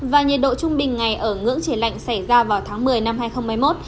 và nhiệt độ trung bình ngày ở ngưỡng trời lạnh xảy ra vào tháng một mươi năm hai nghìn hai mươi một